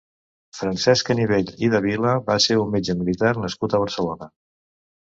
Francesc Canivell i de Vila va ser un metge militar nascut a Barcelona.